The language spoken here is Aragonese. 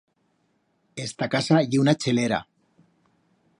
Esta casa ye una chelera.